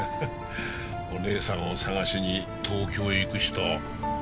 お姉さんを捜しに東京へ行く人。